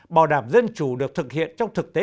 bảo đảm dân chủ được thực hiện trong thực tế